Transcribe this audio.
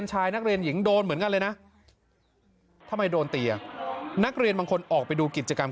นักเรียนยังบอกว่ามันมีอีกเรื่องหนึ่ง